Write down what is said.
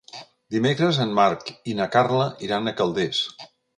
Dimecres en Marc i na Carla iran a Calders.